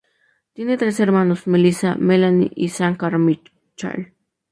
Tiene tres hermanos: Melissa, Melanie y Shankar Michael.